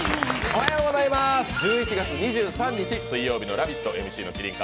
おはようございます、１１月２３日水曜日の「ラヴィット！」